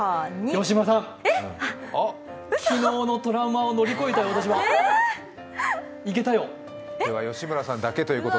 吉村さん、昨日のトラウマを乗り越えたよ、いけたよ。